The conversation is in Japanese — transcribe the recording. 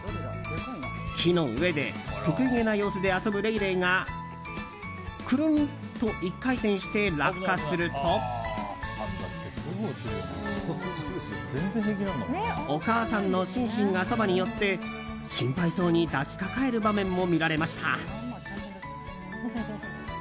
木の上で得意げな様子で遊ぶレイレイがくるんと１回転して落下するとお母さんのシンシンがそばに寄って心配そうに抱きかかえる場面も見られました。